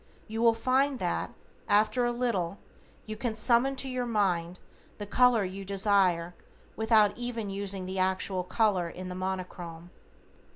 You will find that after a little you can summon to your mind the color you desire without even using the actual color in the Monochrome.